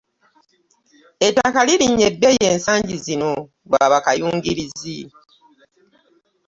Ettaka lirinnye ebbeeyi ensangi zino lwa ba kayungirizi.